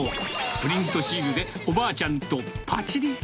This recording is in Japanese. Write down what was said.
プリントシールでおばあちゃんとぱちり。